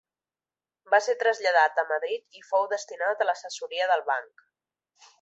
Va ser traslladat a Madrid i fou destinat a l'assessoria del banc.